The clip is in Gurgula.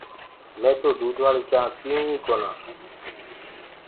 مي تو دودوآݪي چآنه پيئو ئي ڪونآ